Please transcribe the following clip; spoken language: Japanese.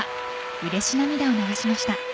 うれし涙を流しました。